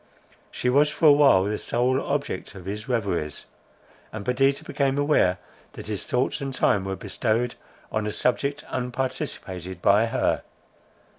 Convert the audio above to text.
She was for a while the sole object of his reveries; and Perdita became aware that his thoughts and time were bestowed on a subject unparticipated by her.